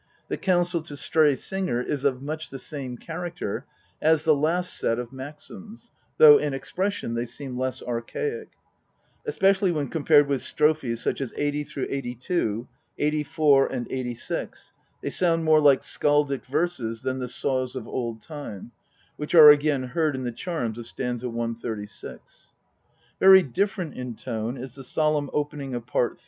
The counsel to Stray Singer is of much the same character us the last set of maxims, though in expression they seem less archaic. Especially when compared with strophes such as 80 82, 84, 86, they sound more like skaldic verses than the saws of old time, which are again heard in the charms of st. 136. Very different in tone is the solemn opening of Part III.